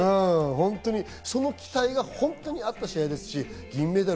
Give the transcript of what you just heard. その期待が本当にあった試合ですし銀メダル。